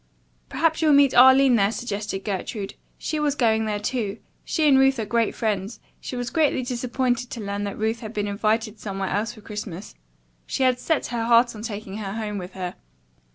"Perhaps you'll meet Arline there," suggested Gertrude. "She was going there, too. She and Ruth are great friends. She was greatly disappointed to learn that Ruth has been invited somewhere else for Christmas. She had set her heart on taking her home with her.